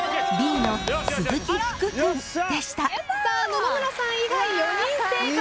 野々村さん以外４人正解。